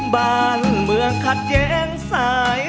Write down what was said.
บ้านเมืองขัดแย้งสาย